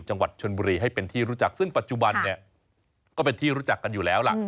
จังหวัดชนบุรีให้เป็นที่รู้จักซึ่งปัจจุบันเนี่ยก็เป็นที่รู้จักกันอยู่แล้วล่ะ